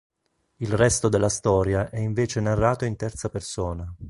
Il resto della storia è invece narrato in terza persona.